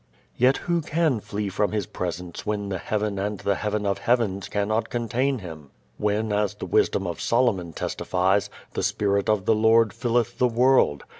Yet who can flee from His Presence when the heaven and the heaven of heavens cannot contain Him? when as the wisdom of Solomon testifies, "the Spirit of the Lord filleth the world?"